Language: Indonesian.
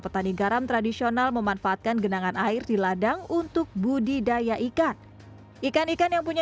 petani garam tradisional memanfaatkan genangan air di ladang untuk budidaya ikan ikan ikan yang punya